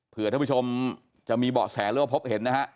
เผื่อท่านผู้ชมจะมีเบาะแสแล้วพบเห็นนะคะ